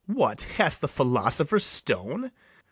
What, hast the philosopher's stone?